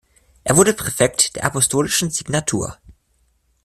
Er wurde Präfekt der Apostolischen Signatur.